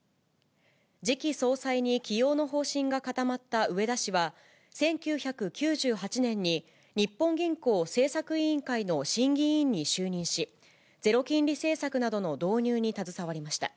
次期総裁に起用の方針が固まった植田氏は、１９９８年に、日本銀行政策委員会の審議委員に就任し、ゼロ金利政策などの導入に携わりました。